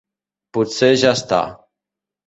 Potser ja està.